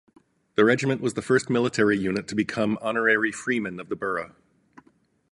The regiment was the first military unit to become 'Honorary Freemen of the Borough.